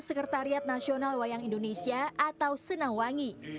sekretariat nasional wayang indonesia atau senangwangi